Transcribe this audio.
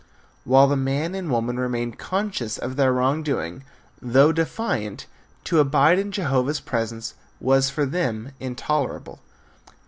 While the man and woman remained conscious of their wrong doing, though defiant, to abide in Jehovah's presence was for them intolerable.